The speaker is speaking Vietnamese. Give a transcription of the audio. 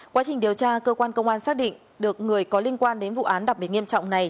quá trình điều tra cơ quan công an xác định được người có liên quan đến vụ án đặc biệt nghiêm trọng này